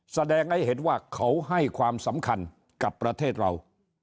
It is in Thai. แสดงให้เห็นว่าเขาให้ความสำคัญกับประเทศเรา